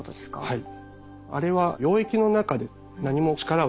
はい。